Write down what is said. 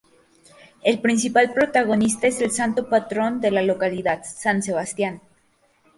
El principal protagonista es el santo patrón de la localidad, San Sebastián.